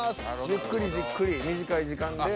ゆっくりじっくり短い時間で。